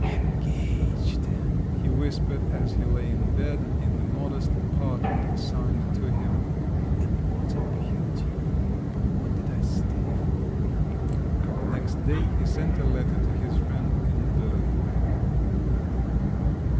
"Engaged!" he whispered as he lay in bed, in the modest apartment assigned to him. "And what a beauty! But what did I stay for?" Next day he sent a letter to his friend in Berlin.